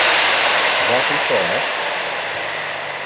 Va tu foras?